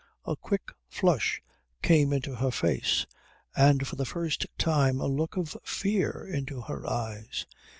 _ A quick flush came into her face, and for the first time a look of fear into her eyes.